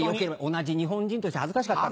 同じ日本人として恥ずかしかった。